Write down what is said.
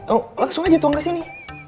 oh langsung aja tuang kesini